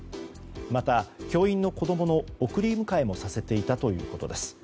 また、教員の子供の送り迎えもさせていたということです。